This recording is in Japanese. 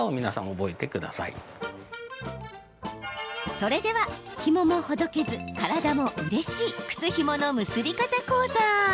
それでは、ひももほどけず体もうれしい靴ひもの結び方講座。